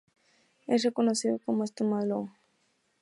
Es reconocido como entomólogo.